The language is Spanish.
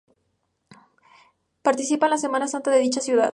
Participa en la Semana Santa de dicha ciudad.